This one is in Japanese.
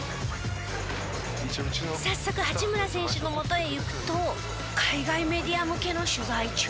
早速八村選手のもとへ行くと海外メディア向けの取材中。